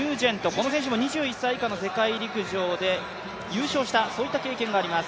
この選手も２１歳以下の世界陸上で優勝した経験があります。